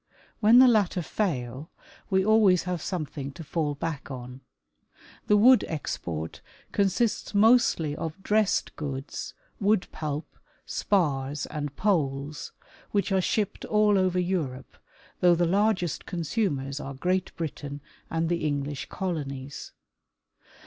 When the latter fail, we always have something to fall back on. The wood export consists mostly of dressed goods, wood pulp, spars and poles, which are shipped all over Europe, though the largest consumers are Great Britain and the English colonies.